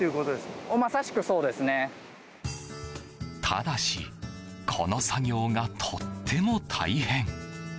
ただし、この作業がとっても大変。